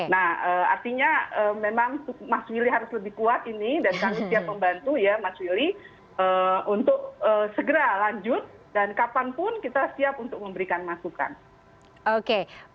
nah artinya memang mas willy harus lebih kuat ini dan kami siap membantu ya mas willy untuk segera lanjut dan kapanpun kita siap untuk memberikan masukan